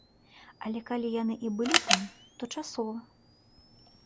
Але калі яны і былі там, то часова.